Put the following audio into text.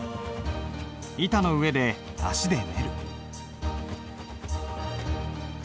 板の上で足で練る。